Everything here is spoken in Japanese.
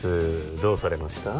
どうされました？